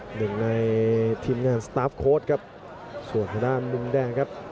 หนึ่งในทีมงานครับส่วนข้างหน้ามนุ่มแดงครับ